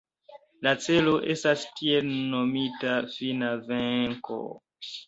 La celo estas tiel nomita fina venko.